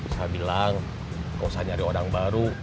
saya bilang gak usah nyari orang baru